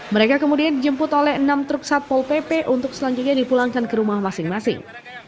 mereka kemudian dijemput oleh enam truk satpol pp untuk selanjutnya dipulangkan ke rumah masing masing